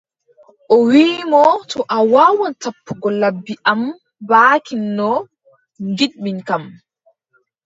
O wiʼi mo : to a waawan tappugo laɓi am baakin no ngiɗmin kam,